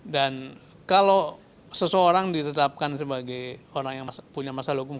dan kalau seseorang ditetapkan sebagai orang yang punya masalah hukum